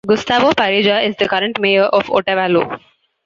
Gustavo Pareja is the current mayor of Otavalo.